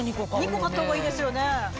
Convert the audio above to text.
２個買ったほうがいいですよね。